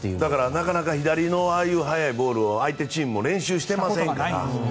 なかなか左の速いボールを相手チームも練習していませんから。